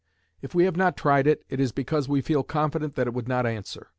If we have not tried it, it is because we feel confident that it would not answer.